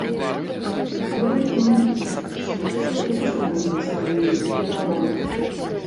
Ён не лічыць, што сустрэча прынесла нейкі пералом.